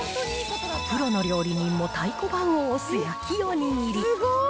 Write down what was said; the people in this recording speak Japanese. プロの料理人も太鼓判を押す焼きおにぎり。